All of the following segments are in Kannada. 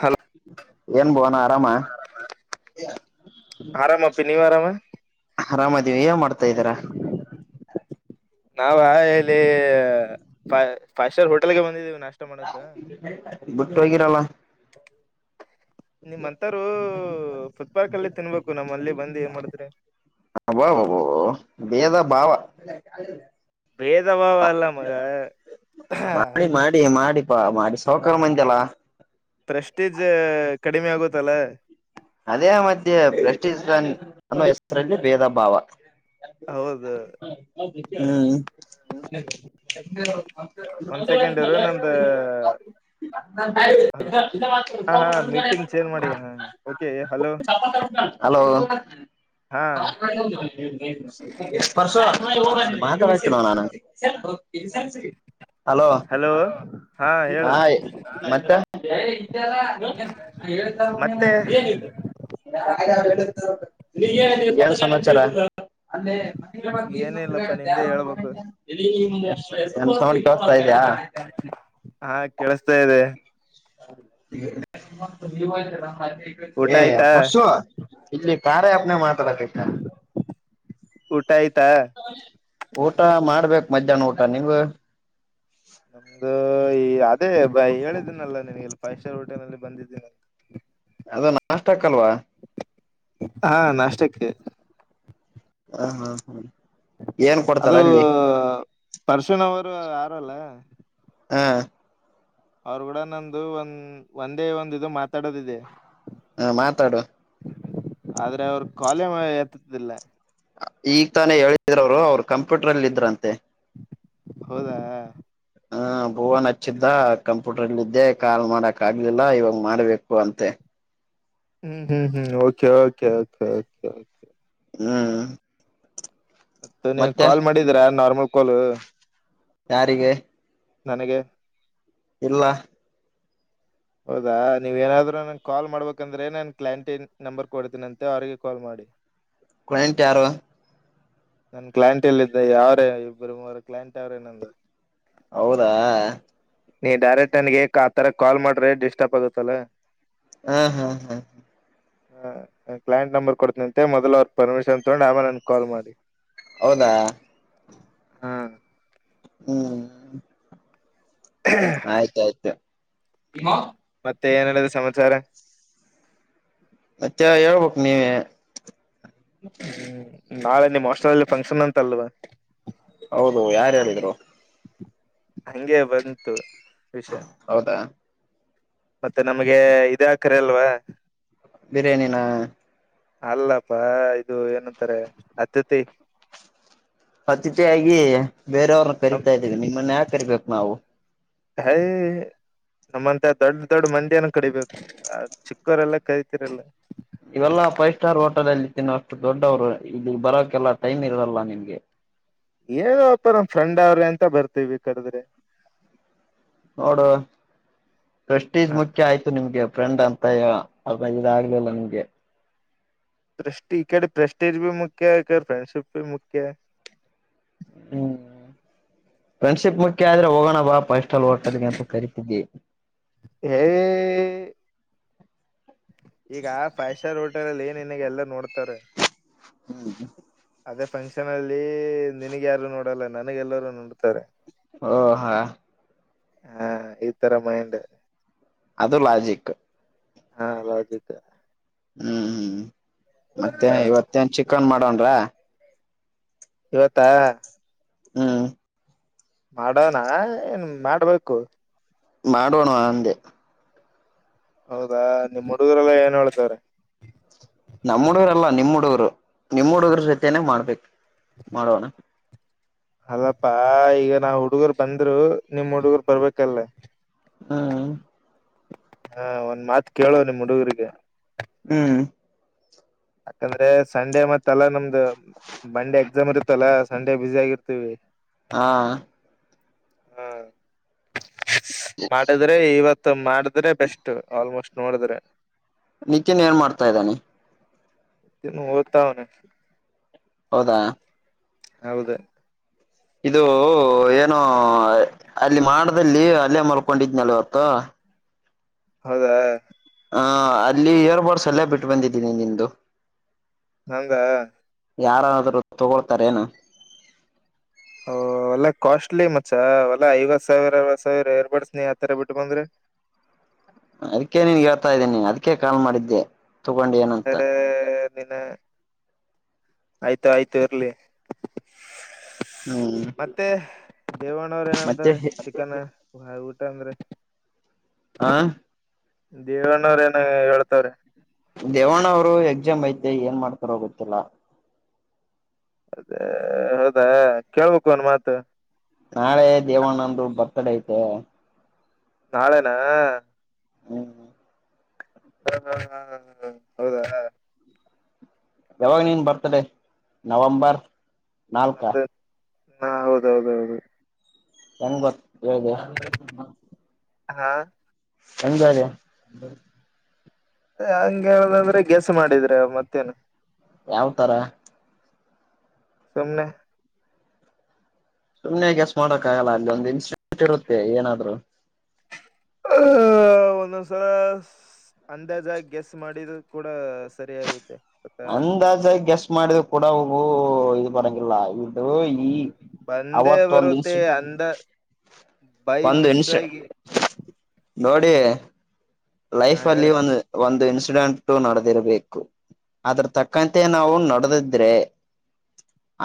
ಹಲೋ ಏನ್ ಭುವನ ಆರಾಮ ಆರಾಮ ಪ ನೀವು ಆರಾಮ ಆರಾಮಾದಿವವಿ ಏ ಮಾಡ್ತಾ ಇದ್ದೀಾರ ನಾವ ಇಲ್ಲಿ ಫೈವ್ ಸ್ಟಾರ್ ಹೋಟೆಲ್ಗೆ ಬಂದಿದ್ದೀವಿ ನಾ [unintelligible] ಬಿಟ್ಟು ಹಗಿರಲ್ಲ ನಿಮ್ಮಂತಾರೂ ಫುಟ್ ಪಾರ್ಕ್ ಅಲ್ಲಿ ತಿನ್ಬೇಕು ನಮ್ಮ ಅಲ್ಲಿ ಬಂದು ಏನ್ ಮಾಡಿದ್ರೆ ಹ ಬಾಬಬ ಬೇದ ಭಾವ ಭೇದವ ವಲ್ಲ ಮಗ ಮಾಡಿ ಮಾಡಿ ಮಾಡಿ ಪಾ ಮಾಡಿ ಸಾವಕರ ಮಜಲ್ಲ ಪ್ರೆಸ್ಟೇಜ್ ಕಡಿಮೆ ಆಗುತ್ತಲ್ಲ ಅದೇ ಮಧ್ಯೆ ಬನ್ ಅ ಹೆಸರಲ್ಲಿ ಭೇದ ಭಾವ ಹೌದು ಹಾ ಒಂದ್ ಸೆಕೆಂಡ್ ಇರು ನಂದ [unintelligible] ನಾಯಿ ಹಾ ಹಾ ಮೀಟಿಂಗ್ ಚೇಂಜ್ ಮಾಡಿ ಹ ಓಕೆ ಹಲೋ ಮ [inaudible] ಹಲೋ [inaudible] ಹಾ ಎ ಪಾರ್ಶ್ವ ಮಾತವಷ್ಟ ನೋ ನ ಅಾನ [unintelligible] ಎ ಸಸ [inaudible] ಹಲೋ ಹಾ ಮತ್ತ ಇದಳ್ತೇನ ಮತ್ತೆ [inaudible] ಅೆ [inaudible] ಹೈ ನೀ ದೇರ ಏನಿಲ್ಲಪ್ಪಾ ನಿಮ್ದೇ ಹೇಳ್ಬೇಕು ಎಂ ಸಡ್ಕ್ಕೆ ವಸ್ತಾ ಇದೆಯಾ ಹಾ ಕೆೇಳಸ್ತಾ ಇದೆ ಊಟ ಹೇ ಆಯ್ತಾ ಪರಶು ಕಾರ್ಯ ಆಪ್ಲ್ಲಿ ಮಾತಾಡೋಕೆ ಇಷ್ಟ ಊಟ ಆಯ್ತಾ ಊಟ ಮಾಡ್ಬೇಕ್ ಮಧ್ಯಾಹ್ನ ಊಟ ನಿಮ್ಮದು ಧು ಅದೇ ಹೇಳಿದ್ದೀನಲ್ಲ ನಿನಗೆಲ್ಲಿ ಫೈವ್ ಸ್ಟಾರ್ ಹೋಟೆಲ್ಗೆ ಬಂದಿದ್ದೀನಿ ಅಂತ ಅದು ನಷ್ಟಕ್ಕೆ ಅಲ್ವಾ ಹಾ ನಾಷ್ಟಕ್ಕೆ ಹ ಹಾ ಹಾ ಅದು ಪರ್ಶನ್ವರು ಯಾರ ಅಲ್ಲ ಹ್ಮ ಅವರು ಕೂಡ ನಂದು ಒಂದ ಒಂದೇ ಒಂದ ಇದು ಮಾತಾಡೋದಿದೆ ಹಾ ಮಾತಾಡು ಆದ್ರೆ ಅವರು ಕಾಲ್ ಏ ಎತೂತಿಲ್ಲ ಈಗ ತಾನೇ ಹೇಳಿದ್ರ ಅವರು ಅವರು ಕಂಪ್ಯೂಟರ್ಲ್ಲಿ ಇದ್ರಂತೆ ಹೌದಾ ಹ ಭುವನ್ ಹಚ್ಚಿದ್ದ ಕಂಪ್ಯೂಟರ್ಲ್ಲ ಇದ್ದೆ ಕಾಲ್ ಮಾಡಕ್ ಆಗ್ಲಿಲ್ಲ ಇವಾಗ ಮಾಡ್ಬೇಕು ಅಂತೆ ಹ್ಮ್ ಹ್ಮ್ ಹ್ಮ್ ಓಕೆ ಓಕೆ ಓಕೆ ಓಕೆ ಹ್ಮ್ ಮತ್ತ ನೀವು ಮತ್ತೆ ಕಾಲ್ ಮಾಡಿದೀರಾ ನಾರ್ಮಲ್ ಕಾಲ್ ಯಾರಿಗೆ ನನಗೆ ಇಲ್ಲ ಹೌದಾ ನೀವ ಏನಾದ್ರು ನನ್ ಕಾಲ್ ಮಾಡ್ಬೇಕಂದ್ರೆ ನಾನನ್ ಕ್ಲಾಂಟೀನ್ ನಂಬರ್ ಕೊಡ್ತೀನಂತೆ ಅವ್ರಿಗೆ ಕಾಲ್ ಮಾಡ [inaudible] ಕ್ಲೈಂಟ್ ಯಾರು ನನ್ ಕ್ಲೈಂಟ್ ಎಲ್ಲ ಇದಿದ್ದೆ ಯಾವ್ರೇ ಇಬ್ಬರು ಮೂರ ಕ್ಲೈಂಟ್ ಯಾವ್ರೇ ನಂದು ಹೌದಾ ನೀ ಡೈರೆಕ್ಟ್ ನನ್ಗೆ ಆ ತರ ಕಾಲ್ ಮಾಡ್ರೆ ಡಿಸ್ಟರ್ಬ್ ಆಗುತ್ತಲ್ಲಾ ಹಾ ಹಾ ಹಾ ಹ ಹ ಕ್ಲೈಂಟ್ ನಂಬರ್ ಕೊಡ್ತನಂತೆ ಮೊದ್ಲ ಅವ್ರರು ಪರ್ಮಿಷನ್ ತಗೊಂಡು ಆಮೇಲೆ ನನ್ಗೆ ಕಾಲ್ ಮಾಡಿ ಹೌದಾ ಹಾ ಹ್ಮ್ ಆಯ್ತಾಯ್ತು ಮತ್ತೆ ಏನಲ್ಲದು ಸಮಾಚಾರ ಮತ್ತೆ ಹೇಳ್ಬೇಕನೀವೇ ಹ್ಮ್, ನಾಳೆ ನಿಮ್ ಹಾಸ್ಟೆಲ್ಲ್ಲಿ ಫಂಕ್ಷನ್ ಅಂತ ಅಲ್ವಾ ಹೌದು ಯಾರಹೆಳಿದ್ರು ಹಂಗೆ ಬಂತು ವಿಷಯ ಹೌದಾ ಮತ್ತೆ ನಮ್ಗೆ ಇದ್ ಆಕರೆ ಅಲ್ವಾ ಬಿರಿಯಾನಿನಾ ಅಲ್ಲಪ್ಪಾ ಇದು ಏನಂತಾರೆ ಅತಿಥಿ ಅತಿಥಿಯಾಗಿ ಬೇರೆಯವ್ರನ್ನ ನಮ್- ಕರಿತಾ ಇದ್ದೇವಿ ನಿಮ್ಮನ್ನ ಯಾಕ ಕರಿಬೇಕು ನಾವು ಐ ನಮ್ಮಂತ ದೊಡ್ಡ ದೊಡ್ಡ ಮಂದಿಯನ ಕರಿ ಬೇಕು ಚಿಕ್ಕವರೆಲ್ಲ ಕರಿತಿರಲ್ಲ ಇವೆಲ್ಲಾ ಫೈವ್ ಸ್ಟಾರ್ ಹೋಟೆಲ್ ಅಲ್ಲಿ ತಿನೋ ಅಷ್ಟು ದೊಡ್ಡವ್ರು ಇಲ್ಲಿ ಬರೋಕೆಲ್ಲಾ ಟೈಮ್ ಇಲ್ಲಾಳ ನಿಮ್ಗೆ ಏನ ಅಪ್ಪ ನಮ್ಮ್ ಫ್ರೆಂಡ್ ಅವ್ರ ಎಂತ ಬರ್ತೇವಿ ಕರ್ದ್ರೆ ನೋಡುುವ ಪ್ರೆಸ್ಟೀಜ್ ಹಾ ಮುಖ್ಯ ಆಯ್ತು ನಿಮ್ಗೆ ಫ್ರೆಂಡ್ ಅಂತಯ ಅದ ಇದಾಗಗ್ಲಿಲ್ಲ ನಿಮ್ಗೆ ಪ್ರೆಸ್ಟ್ ಈ ಕಡೆ ಪ್ರ್ರಸ್ಟಿಜ ನು ಮುಖ್ಯ ಈಡೆ ಫ್ರೆಂಡ್ಶಿಪ್ನು ಮುಖ್ಯ ಹ್ಮ್ ಫ್ರೆಂಡ್ಶಿಪ್ ಮುಖ್ಯ ಆದ್ರೆ ಹೋಗೋಣ ಬಾಪಾ ಇಷ್ಟಲ್ಲಿ ಹೊಟ್ಟದಗೆ ಅಂತ ಕರಿತಿದ್ದಿ ಹ ಈಗ ಫೈವ್ ಸ್ಟಾರ್ ಹೋಟೆಲ್ ಅಲ್ಲಿ ಏನ್ನಗೆ ಎಲ್ಲ ನೋಡ್ತಾರೆ ಹ್ಮ ಅದೇ ಫಂಕ್ಷನ್ ಅಲ್ಲಿ ನಿನಗ್ ಯಾರು ನೋಡಲ್ಲ ನನಗೆಲ್ಲರೂ ನೋಡ್ತಾರೆ ಓ ಹಾ ಹಾ ಈ ತರ ಮೈಂಡ್ ಅದು ಲಾಜಿಕ್ ಹಾಲದುಕ್ಕ ಹ್ಮ್ ಹ್ಮ್ ಮತ್ತೆ ಇವತ್ತೇನ್ ಚಿಕನ್ ಮಾಡೋಣ್ರ ಇವತ್ತಾ ಹ್ಮ್ ಮಾಡೋಣ ಏನ್ ಮಾಡ್ಬೇಕು ಮಾಡವಣಂದೆ ಹೌದಾ ನಿಮ್ಮ್ ಹುಡುಗರೆಲ್ಲ ಏನ್ ಹೇಳ್ತಾರೆ ನಮ್ಮ್ ಹುಡುಗರಲ್ಲ ನಿಮ್ಮ್ ಹುಡುಗರು ನಿಮ್ಮ್ ಹುಡುಗರ ಜೊತೇನೆೇ ಮಾಡ್ಬೇಕು ಮಾಡೋಣ ಅಲ್ಲಪ್ಪಾ ಈಗ ನಾ ಹುಡುಗರ್ ಬಂದ್ರು ನಿಮ ಹುಡುಗರ್ ಬರ್ಬೇಕಲ್ಲ ಹ್ಮ್ ಹಾ ಒಂದ್ ಮಾತ್ ಕೇಳುವ ನಿಮ್ ಹುಡುಗರಿಗೆ ಹ್ಮ್ ಯಾಕಂದ್ರೆ ಸಂಡೆ ಮತ್ತ್ತ ಅಲ್ಲಾ ನಮ್ದು ಮಂಡೆ ಎಕ್ಸಾಮ್ ಇರ್ತ್ತಲ್ಲಾ ಸಂಡೇ ಬ್ಯುಸ ಆಗಿರ್ತೀವಿ ಹಾ ಹಾ ಮಾಡಿದ್ರೆ ಇವತ್ತು ಮಾಡ ಆದ್ರೆ ಬೆಸ್ಟ್ ಆಲ್ಮೋಸ್ಟ್ ನೋಡಿದ್ರೆ ನಿತ್ಯನ್ ಏನ್ ಮಾಡ್ತಾ ಇದ್ದಾನೆ ನ್ನು ಹೊತಾವನೆ ಹೌದಾ ಹೌದು ಇದು ಏನೋ ಅಲ್ಲಿ ಮಾಡದಲ್ಲಿ ಅಲ್ಲೇ ಮಲ್ಕೊಂಡಿದ್ನಲ್ ಇವತ್ತು ಹೌದಾ ಹ ಅಲ್ಲಿ ಇಯರ್ ಬೋಡ್ಸ್ ಎಲ್ಲ ಬಿಟ್ಟು ಬಂದಿದ್ದೀನಿ ನಿಮ್ದು ಹಂಗ ಯಾರನಾದ್ರು ತಗೊಳ್ತಾರ ಏನು ಓ ಎಲ್ಲಾ ಕಾಸ್ಟ್ಲಿ ಮಚ್ಚ ಎಲ್ಲಾ ಐವತ್ ಸಾವಿರ ಅರವತ್ ಸಾವಿರ ಏರ್ ಬಡಸ್ನ ಆತರ ಬಿಟ್ಟ ಬಂದ್ರಿ ಹ್ಮ್ಮ್. ಅದಕ್ಕೆ ನೀನ್ ಹೇಳ್ತಾ ಇದ್ದೀನಿ ಅದಕ ಕಾಲ್ ಮಾಡಿದ್ದೆ ತಗೊಂಡು ಏನು ಅಂತ [unintelligible] ದಿನ ಆಯ್ತು ಆಯ್ತು ಇರ್ಲಿ ಹ್ಮ್ ಮತ್ತೆ ದೇವ್ಣವ್ರ ಮತ್ತೆ ಏನಂತಾರೆ ಚಿಕನ್ ಹಹ್ ಊಟ ಅಂದ್ರೆ ಆ ದೇವಣ್ಣವ್ರ ಏನ ಹೇಳ್ತಾರೆ ದೇವಣ್ಣ ಅವ್ರು ಎಕ್ಸಾಮ್ ಐತೆ ಏನ್ ಮಾಡ್ತಾರೋ ಗೊತ್ತಿಲ್ಲ ಅದೇ ಹೌದಾ ಕೇಳ್ಬೇಕು ಒನ್ ಮಾತು ನಾಳೆ ದೇವಣ್ಣಂದ ಬರ್ತ್ಡೇ ಐತೆ ನಾಳೆನ ಹ್ಮ್್ ಹ ಹ ಹಾ ಹ ಹೌದಾ ಯಾವಾಗ ನೀನ್ ಬರ್ತ್ಡೇ ನವಂಬರ್ ನಾಲ್ಕ ನಮ್ದು ಹಾ ಹೌದೌದೌದು ತ ಬ [inaudible] ಹಾ ಚಂದರ ಹಂಗ ಹೇಳುದಂದ್ರೆ ಸ ಮಾಡಿದ್ರೆ ಮತ್ತೇನು ಯಾವ್ತರ ಸುಮನೆ [inaudible] ಸುಮ್ನೆ ಕೆಸ್ ಮಾಡಕ ಆಗಲ್ಲ ಅಲ್ಲಿ ಒಂದು ಇನ್ಸ್ಟಿಟ್ಯೂಟ್ ಇರುತ್ತೆ ಏನಾದ್ರು ಹ್ಮ ಒಂದೊಂದ್ಸಲ ಅಂದಾಜಾಗಿ ಗೆಸ್ ಮಾಡಿದು ಕೂಡ ಸರಿಯಾಗುತ್ತೆ ಗೊತ್ತಾ ಅಂದಾಜ ಗೆಸ್ಟ್ ಮಾಡಿದ್ ಕೂಡ ಹವು ಇದು ಬರಂಗಿಲ್ಲ ಇ ಅದು ಈ ಬಂದೇ ಅವತ್ತೊಂದು ದಸ ಬರುತ್ತೆ ಅಂದ ಬೈ ಮಿಸಾಯಗೆ ನೋಡಿ ಲೈಫ್ ಅಲ್ಲಿ ಹೇಳಿ ಒಂದು ಒಂದು ಇನ್ಸ್ ಎಕ್ಸಿಡೆಂಟ್ ನಡೆದಿರ್ಬೇಕು ಅದ್ರ ತಕ್ಕಂತೆ ನಾವು ನಡೆದಿದ್ರೆ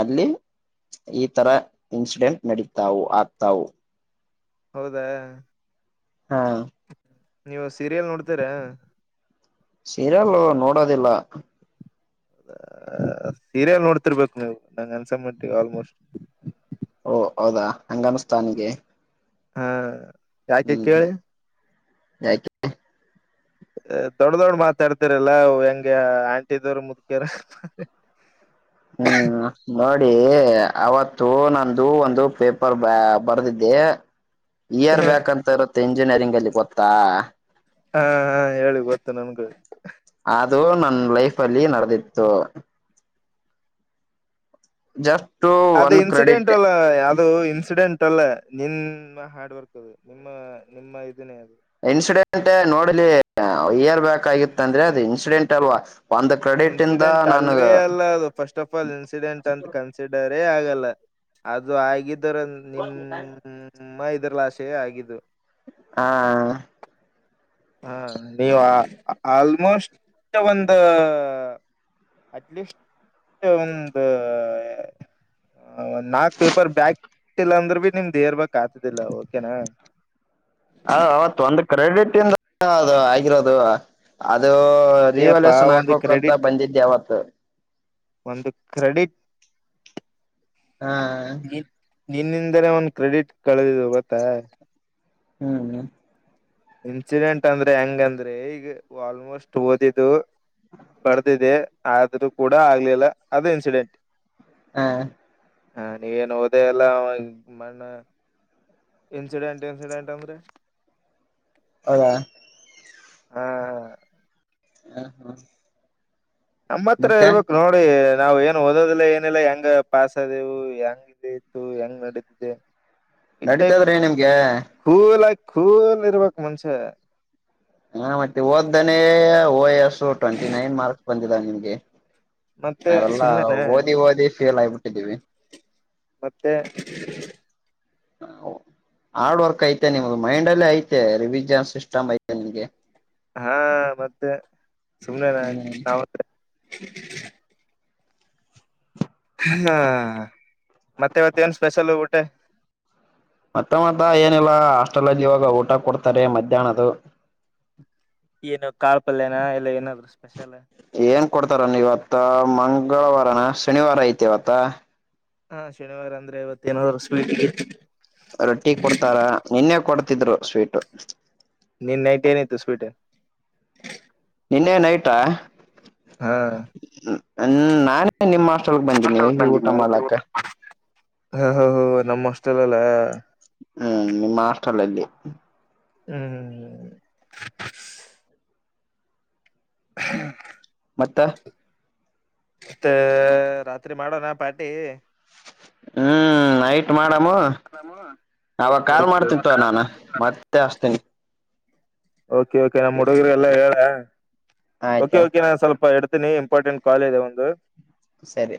ಅಲ್ಲಿ ಈಥರ ಇನ್ಸಿಡೆಂಟ್ ನಡೀತಾವು ಆಗ್ತಾವು ಹೌದಾ ಹಾ ನೀವು ಸೀರಿಯಲ್ ನೋಡ್ತೀರಾ ಸೀರಿಯಲ್ ನೋಡೋದಿಲ್ಲ ಸೀರಿಯಲ್ ನೋಡ್ತಿರ್ಬೇಕು ನೀವು ನಂ ಅನ್ಸಬಿಟ್ಟೀ ಆಲ್ಮೋಸ್ಟ್ ಓ ಹೌದಾ ಹಂಗಮಸ್ತಾನಿಗೆ ಹಾ ಯಾಕೆ ಕೇಳಿ ನಯಕ್ಕೆ [inaudible] ದೊಡ್ಡ ದೊಡ್ ಮಾತಾಡ್ತಿರಲ್ಲ ಹೆಂಗ ಆಂಟಿದವರು ಮುದ್ಕ್ಯಾರ ಹ್ಮ್ಮ್. ಹ್ಮ್ ಹ ನೋಡಿ ಅವತ್ತು ನಂದು ಒಂದು ಪೇಪರ್ ಬ ಬರ್ದಿದ್ದೆ ಇಯರ್ ಹಾ ಬ್ಯಾಕ್ ಅಂತ ಇರುತ್ತೆ ಇಂಜಿನಿಯರಿಂಗ್ ಅಲ್ಲಿ ಗೊತ್ತಾ ಹಾ ಹಾ ಹೇಳಿ ಗೊತ್ತು ನನ್ಗೂ ಅದು ನನ್ ಲೈಫ್ ಅಲ್ಲಿ ನಡೆದಿತ್ತು ಜಾರ್ ಅದು ಇನ್ಸಿಡೆಂಟ್ ಅಲ್ಲ ಯಾವ್ದದು ಇನ್ಸಿಡೆಂಟ್ ಲ್ಲ ನಿನ್ ಹಾರ್ಡ್ ವರ್ಕ್ ಅದು ನಿಮ್ಮ ನಿಮ್ಮ ಇದನೇ ಅದು ಇನ್ಸಿಡೆಂಟ್ ನೋಡ್ಲಿ ಬ ಆಗಿತ್ತ ಅಂದ್ರೆ ಅದು ಇನ್ಸಿಡೆಂಟ್ ಇನ್ಸಿಡೆಂಟ್ ಅಲ್ವಾ ಒಂದು ಕ್ರೆಡಿಟ್ ಇಂದ ಇನ್ಸಿಡೆಂಟ್ ನನ್ ಅಲ್ವೇ ಅಲ್ಲ ಅದು ಫಸ್ಟ್ ಆಫ್ ಆಲ್ ಇನ್ಸಿಡೆಂಟ್ ಅಂತ ಕನ್ಸಿಡರ್ ೇ ಆಗಲ್ಲ ಅದು ಆಗಿದರ ನಿಮ್ಮ ನಿರ್ಲಾಶೆ ಆಗಿದ್ದು ಹಾ ಹಾ ನೀವು ಆಲ್ಮೋಸ್ಟ್ ಒಂದು ಅಟ್ಲೀಸ್ ಒಂದು ಹ ಒಂದ್ ನಾಕ್ ಪೇಪರ್ ಬ್ಯಾಗ ಇಲ್ಲ ಅಂದ್ರ ಭ ನಿಮ್ದ್ೇರ್ಬೇಕಕ್ ಆತದಿಲ್ಲ ಓಕೆನಾ ಹ ಅವತ್ ಒಂದು ಕ್ರೆಡಿಟ್ ಇಂದ ಅದು ಆಗಿರೋದು ಅ ಅದು ಅದೇಪಾ ರಿವಲ್ಯೂಷನ್ ಒಂದು ಹಾಕೋಕ್ ಅಂತ ಕ್ರೆಡಿಟ್ ಬಂದಿದ್ದೆ ಯಾವತ್ತು ಒಂದು ಕ್ರೆಡಿಟ್ ಹಾ ನಿನ್ನಿಂದಲ ಒಂದ ಕ್ರೆಡಿಟ್ ಕಳದಿದ ಗತ್ತಾ ಹ್ಮ್್ಮ ಇನ್ಸಿಡೆಂಟ್ ಅಂದ್ರೆ ಹೆಂಗಂದ್ರೆ ಈಗ ಆಲ್ಮೋಸ್ಟ್ ಓದಿದ್ದು ಬರ್ದಿದೆ ಆದ್ರೂ ಕೂಡ ಆಗ್ಲಿಲ್ಲ ಅದು ಇನ್ಸಿಡೆಂಟ್ ಹಾ ಹ ನೀ ಏನ್ ಹೋದೆ ಎಲ್ಲ ಮನು ಇನ್ಸಿಡೆಂಟ್ ಇನ್ಸಿಡೆಂಟ್ ಅಂದ್ರೆ ಹೌದಾ ಹಾ ಹಾ ಹಾ ಹಾ ನಮ್ಮ ಹತ್ರ ಇರ್ಬೇಕು ನೋಡಿ ನಾವ್ ಏನು ಓದೋದಲ್ಲ ಏನಿಲ್ಲಾ ಹೆಂಗ ಪಾಸ್ದೆೇವು ಹೆಂಗ ಇತ್ತು ಹೆಂಗ್ ನಡೆದಿದೆ ನಡೀತದ್ರೆ ನಿಮ್ಗೆ ಕೂಲ್ ಆಗಿ ಕೂಲ್ ಇರಬೇಕು ಮನೂಸಾ ಹ ಮತ್ತೆ ಓದ್ದನೇ ಓ ಎಸ್ ಟ್ವೆಂಟಿ ನೈನ್ ಮಾರ್ಕ್ಸ್ ಬಂದಿದ ನಿಮ್ಗೆ ಮತ್ತೆ ನಾವೆಲ್ಲಾ ಸುಮ್ನೆನಾ ಓದಿ ಓದಿ ಫೇಲ್ ಆಗಬಿಟ್ಟಿದ್ದೀವಿ ಮತ್ತೆ ಹಾರ್ಡ್ ವರ್ಕ್ ಐತೆ ನಿಮ್ದು ಮೈಂಡ್ ಅಲ್ಲೇ ಐತೆ ರಿವಿಜನ್ ಸಿಸ್ಟಮ್ ಐತೆ ನಿಮ್ಗೆ ಹಾ ಮತ್ತೆ ಸುಮನೆ ನ ಹ್ಮ್ ನಾವತ್ತ [unintelligible] ಹಾ ಮತ್ತೆ ಇವತ್ತ ಏನ್ ಸ್ಪೆಷಲ್ ಊಟೆ ಮತ್ತೆ ಮತ್ತ ಏನಿಲ್ಲ ಹಾಸ್ಟೆಲ್ದ್ ಇವಾಗ ಊಟ ಕೊಡ್ತಾರೆ ಮಧ್ಯಾಹ್ನದು ಏನು ಕಾಳ ಪಲ್ಯನ ಎಲ್ಲ ಏನಾದ ಏನ್ ಕೊಡ್ತಾರ ನೀ ಇವತ್ತ ಮಂಗ ಮಂಗಳವಾರನ ಶನಿವಾರ ಐತಿವತ್ತ ಹಾ ಶನಿವಾರ ಅಂದ್ರೆ ಇವತ್ತ ಏನಾದ ಸ್ವೀಟ್ ರೊಟ್ಟಿ ಕೊಡ್ತಾರ ನಿನ್ನೆ ಕೊಡ್ತಿದ್ರು ಸ್ವೀಟು ನೀನ್ ನೈಟ್ ಏನತ್ತು ಸ್ವೀಟನ್ ನಿನ್ನೆ ನೈಟಾ ಹಾ ಹ್ಮ ನಾನೇ ನಿಮ್ಮ ಹಾಸ್ಟೆಲ್ ಬಂದಿದೆ [unintelligible] ಓ ಓ ನಮ್ಮ ಅಷ್ಟೆಲ್ಲಲ್ಲ ಹ್ಮ್ ನಿಮ್ಮ ಹಾಸ್ಟೆಲ್ ಅಲ್ಲೆ ಹ್ಮ್ [inaudible] [unintelligible] ಮತ್ತ ಮತ್ತೆ ರಾತ್ರಿ ಮಾಡೋಣ ಪಾರ್ಟಿ ಹ್ಮ್ ನೈಟ್ ಮಾಡಾಮ ಅವಾಗ ಓಕೆ ಕಾಲ್ ಓಕೆ ಮಾಡ್ತಿತ್ತುವ ನಾನ ಮತ್ತೆ ಹಾಚೆತೇನೆ ಓಕೆ ಓಕೆ ನಾ ಹಡುಗರು ಎಲ್ಲಾ ಹೇಳ ಓಕೆ ಆಯ್ತಾ ಓಕೆ ನಾನ್ ಸ್ವಲ್ಪ ಎಡ್ ಇಡುತ್ತೇನೆ ಇಂಪಾರ್ಟೆಂಟ್ ಕಾಲ್ ಇದೆ ಒಂದು ಸರಿ